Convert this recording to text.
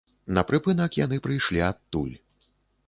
На прыпынак яны прыйшлі адтуль.